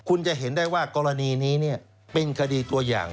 คุณจะเห็นได้ว่ากรณีนี้เป็นคดีตัวอย่าง